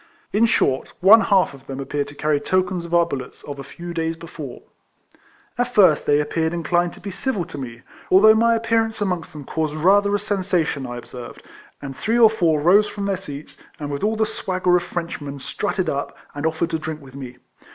In short, one half of them ap peared to carry tokens of our bullets of a few days before. RIFLEMAN HARRIS. 97 At first they appeared inclined to be civil to me, although my appearance amongst them caused rather a sensation, I observed, and three or four rose from their seats, and with all the swagger of Frenchmen strutted up, and offered to drink with me.